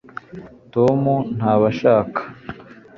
tom ntabashaka